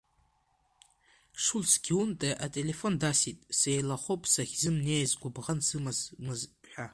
Шульц Гиунте ателефон дасит, сеилахоуп, сахьзымнеиз гәыбӷан сымамыз ҳәа.